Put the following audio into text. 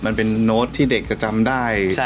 มันเป็นโน้ตที่เด็กจะจำได้